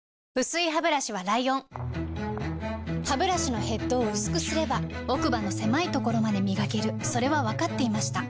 薄いハブラシはライオンハブラシのヘッドを薄くすれば奥歯の狭いところまで磨けるそれは分かっていました